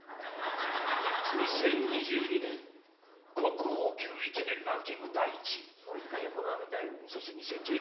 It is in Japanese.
２０２０年国宝級イケメンランキング